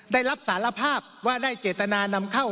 รับสารภาพว่าได้เจตนานำเข้า